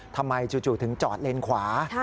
ทำไมจู่ถึงจอดเลนคว้า